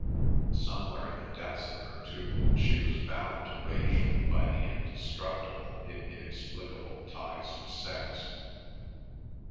Somewhere in the depths of her, too, she was bound to Rachel by the indestructible if inexplicable ties of sex.